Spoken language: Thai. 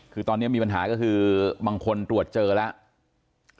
คือตอนนี้มีปัญหาก็คือบางคนตรวจเจอแล้ว